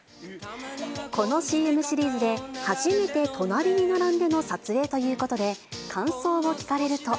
このＣＭシリーズで、初めて隣に並んでの撮影ということで、感想を聞かれると。